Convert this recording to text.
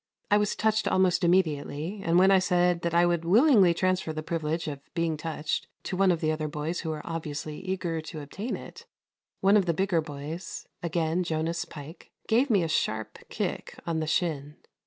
I was touched almost immediately, and when I said that I would willingly transfer the privilege of being touched to one of the other boys who were obviously eager to obtain it, one of the bigger boys (again Jonas Pike) gave me a sharp kick on the shin.